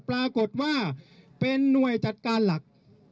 ปรากฏว่าเป็นหน่วยจัดการหลัก